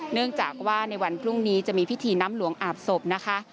เนื่องจากว่าในวันพรุ่งนี้จะมีพิธีน้ำหลวงอาบศพนะคะ